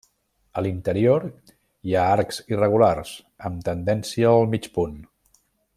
A l'interior hi ha arcs irregulars, amb tendència al mig punt.